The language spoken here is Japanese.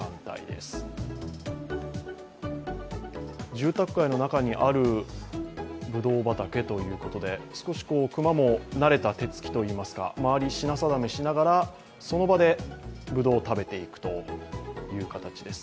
住宅街の中にあるぶどう畑ということで、少し熊も慣れた手つきといいますか周り、品定めしながらその場でぶどうを食べているという形です。